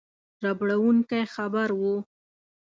ربړوونکی خبر وو.